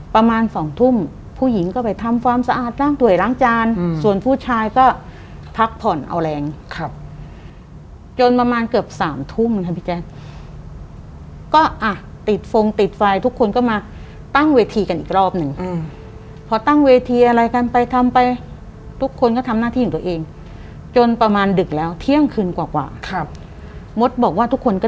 ประมาณสองทุ่มผู้หญิงก็ไปทำความสะอาดล้างถ่วยล้างจานส่วนผู้ชายก็พักผ่อนเอาแรงครับจนประมาณเกือบสามทุ่มนะครับพี่แจ๊คก็อ่ะติดฟงติดไฟทุกคนก็มาตั้งเวทีกันอีกรอบหนึ่งอืมพอตั้งเวทีอะไรกันไปทำไปทุกคนก็ทำหน้าที่ของตัวเองจนประมาณดึกแล้วเที่ยงคืนกว่ากว่าครับมดบอกว่าทุกคนก็